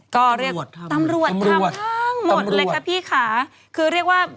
ก็เรียกตำรวจทำทางหมดเลยค่ะพี่ค่ะ